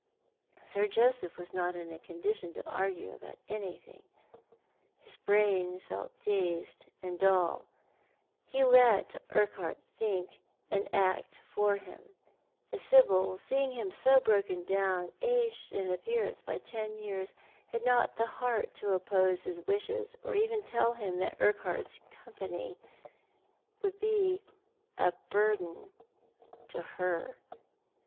Sir Joseph was not in a condition to argue about anything. His brain felt dazed and dull. He let Urquhart think and act for him, and Sibjl, seeing him so broken down, aged in appear ance by ten years, had not the heart to oppose his wishes, or even to tell him that Urquhart's company would be a burden I/O Thoic art the Man. to her.